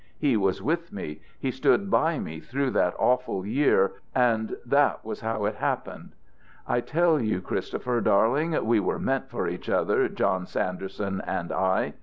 He was with me, he stood by me through that awful year and that was how it happened. I tell you, Christopher, darling, we were meant for each other, John Sanderson and I.